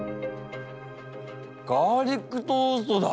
ガーリックトーストだ！